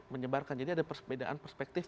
menyebarkan jadi ada perbedaan perspektif